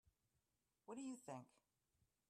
Who do you think?